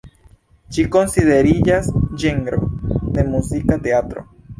Ĝi konsideriĝas ĝenro de muzika teatro.